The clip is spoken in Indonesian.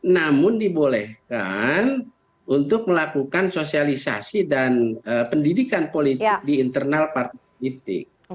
namun dibolehkan untuk melakukan sosialisasi dan pendidikan politik di internal partai politik